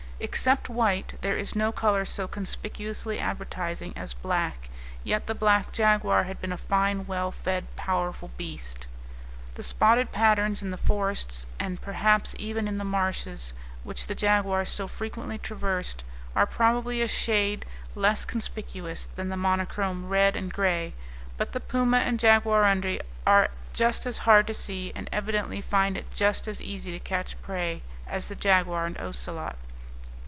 Except white, there is no color so conspicuously advertising as black; yet the black jaguar had been a fine, well fed, powerful beast. The spotted patterns in the forests, and perhaps even in the marshes which the jaguars so frequently traversed, are probably a shade less conspicuous than the monochrome red and gray, but the puma and jaguarundi are just as hard to see, and evidently find it just as easy to catch prey, as the jaguar and ocelot.